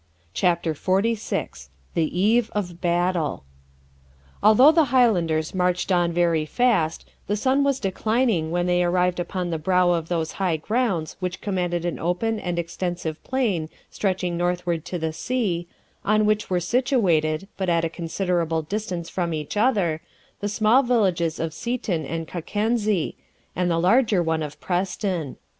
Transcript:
CHAPTER XLVI THE EVE OF BATTLE Although the Highlanders marched on very fast, the sun was declining when they arrived upon the brow of those high grounds which command an open and extensive plain stretching northward to the sea, on which are situated, but at a considerable distance from each other, the small villages of Seaton and Cockenzie, and the larger one of Preston.